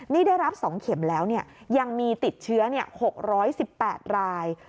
นี่ได้รับ๒เข็มแล้วยังมีติดเชื้อ๖๑๘ราย